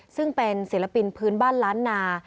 ซึ่งเป็นศิลปินพื้นบ้านล้านนา